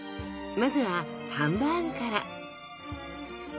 まずはハンバーグから。